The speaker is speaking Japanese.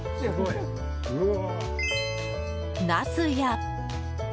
ナスや。